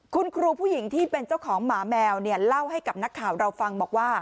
คุณครูผู้หญิงที่เป็นเจ้าของหมาแมวเนี่ยเล่าให้กับนักข่าวเราฟังบอกว่า